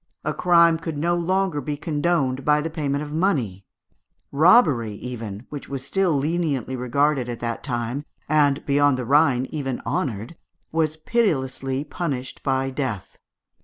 A crime could no longer be condoned by the payment of money; robbery even, which was still leniently regarded at that time, and beyond the Rhine even honoured, was pitilessly punished by death.